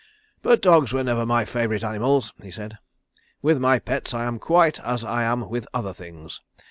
"But dogs were never my favourite animals," he said. "With my pets I am quite as I am with other things.